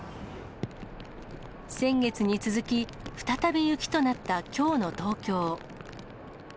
先月に続き、再び雪となったきょうの東京。